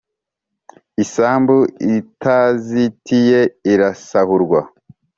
Isambu itazitiye, irasahurwa,